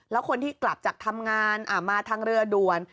แล้วคนที่กลับจากทำงานมาทางเรือด่วน